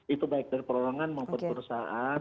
itu baik dari perorangan maupun perusahaan